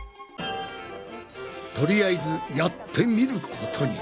とりあえずやってみることに。